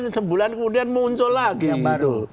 yang ketiga adalah mengawasi kekuasaan